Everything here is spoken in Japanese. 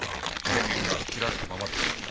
電源が切られたままです。